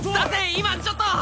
今ちょっと！